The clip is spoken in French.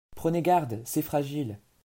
Prenez garde… c’est fragile.